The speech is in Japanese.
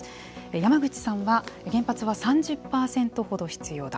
山口さんは原発は３０％ほど必要だ。